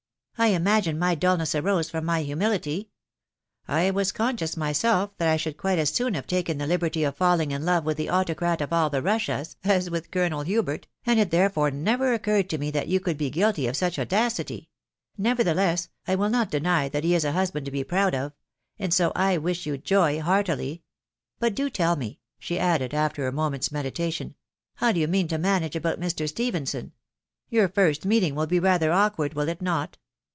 .... I imagine my dulness arose from my humility ; I was conscious myself that I should quite as soon have taken the liberty of falling in love with the autocrat of all the Russias as with Colonel Hubert, and it therefore never occurred to me that you could be guilty of such audacity ; nevertheless, I will not deny that "he is a husband to be proud of. .. and so I wish yon joy heartily But do tell me," she added after a moment's meditation, "how you mean to manage about Mr. Stephenson ?•.. Your first meeting will be rather awkward, will it not